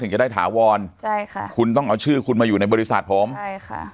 จะได้ถาวรใช่ค่ะคุณต้องเอาชื่อคุณมาอยู่ในบริษัทผมใช่ค่ะ